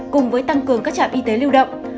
cùng với tăng cường các trạm y tế lưu động